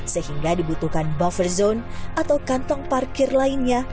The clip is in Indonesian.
sehingga dibutuhkan buffer zone atau kantong parkir lainnya